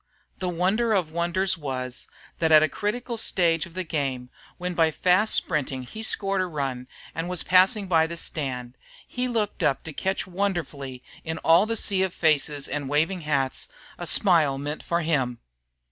The wonder of wonders was, that at a critical stage of the game, when by fast sprinting he scored a run, and was passing by the stand, he looked up to catch wonderfully, in all that sea of faces and waving hats, a smile meant for him.